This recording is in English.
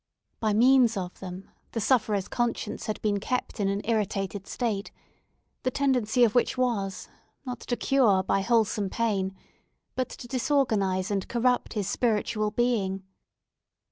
By means of them, the sufferer's conscience had been kept in an irritated state, the tendency of which was, not to cure by wholesome pain, but to disorganize and corrupt his spiritual being.